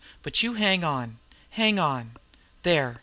But you hang on! Hang on! There!